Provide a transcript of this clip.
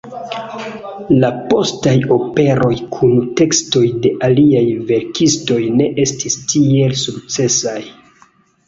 La postaj operoj kun tekstoj de aliaj verkistoj ne estis tiel sukcesaj.